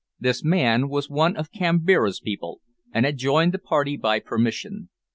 This man was one of Kambira's people, and had joined the party by permission.